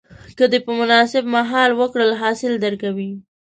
که دې په مناسب مهال وکرل، حاصل درکوي.